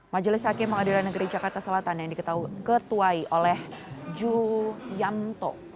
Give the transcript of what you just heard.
majelis hakim pengadilan negeri jakarta selatan yang diketuai oleh ju yamto